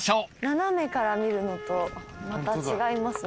斜めから見るのとまた違いますね。